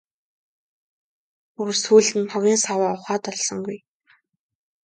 Бүр сүүлд нь хогийн саваа ухаад олсонгүй.